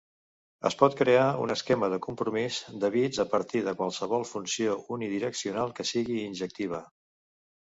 Es pot crear un esquema de compromís de bits a partir de qualsevol funció unidireccional que sigui injectiva.